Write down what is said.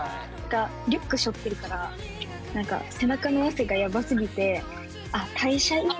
リュックしょってるから何か背中の汗がやばすぎて「あ代謝いいんだね」